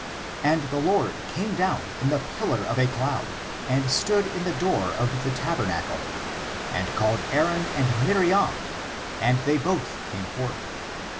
And the Lord came down in the pillar of a cloud and stood in the door of the tabernacle^ and called Aaron and Miriam, and they both came forth.